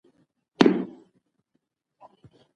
د پرمختيا لپاره بايد ټولنيز اړخونه وڅېړل سي.